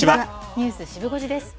ニュースシブ５時です。